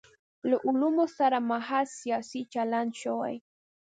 له علومو سره محض سیاسي چلند شوی.